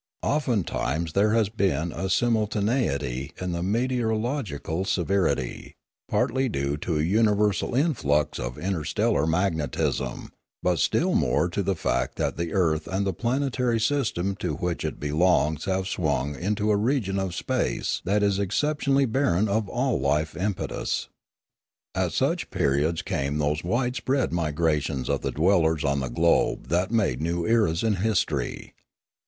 Oftentimes there has been a simultaneity in the meteorological severity, partly due to a universal influx of interstellar magnetism, but still more to the fact that the earth and the planetary system to which it belongs have swung into a region of space that is exceptionally barren of all life impetus. At such periods came those wide spread migrations of the dwellers on the globe that made new eras in history.